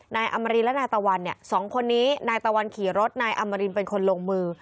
นายอมรินและนายตะวันเนี่ยสองคนนี้นายตะวันขี่รถนายอมรินเป็นคนลงมือ